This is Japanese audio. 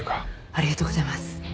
ありがとうございます。